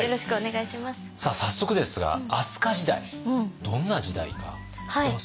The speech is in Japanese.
早速ですが飛鳥時代どんな時代か知ってます？